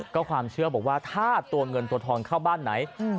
ก็ความเชื่อบอกว่าถ้าตัวเงินตัวทองเข้าบ้านไหน